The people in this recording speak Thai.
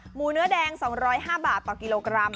หมูเนื้อแดง๒๐๕บาทต่อกิโลกรัม